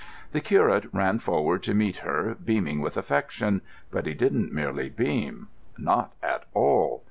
The curate ran forward to meet her, beaming with affection. But he didn't merely beam. Not at all.